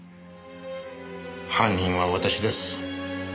犯人は私です。